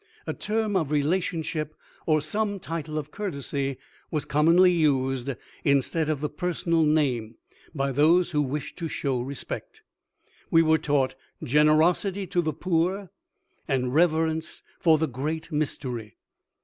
A term of relationship or some title of courtesy was commonly used instead of the personal name by those who wished to show respect. We were taught generosity to the poor and reverence for the "Great Mystery."